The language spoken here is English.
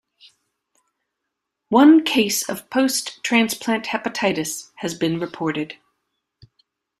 One case of post transplant hepatitis has been reported.